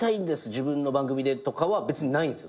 自分の番組でとかは別にないんすよ